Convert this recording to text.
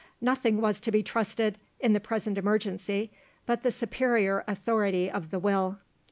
Nothing was to be trusted, in the present emergency, but the superior authority of the Will.